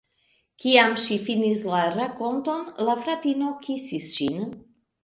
Kiam ŝi finis la rakonton, la fratino kisis ŝin.